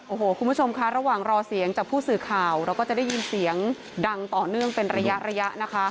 โอ้โหคุณผู้ชมค่ะระหว่างรอเสียงจากผู้สื่อข่าวเราก็จะได้ยินเสียงดังต่อเนื่องเป็นระยะระยะนะคะ